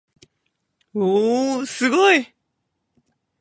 おおおすごい